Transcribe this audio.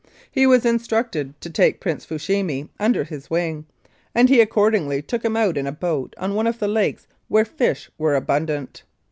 He was instructed to take Prince Fushimi under his wing, and he accordingly took him out in a boat on one of the lakes where fish were abundant.